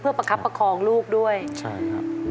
ประคับประคองลูกด้วยใช่ครับ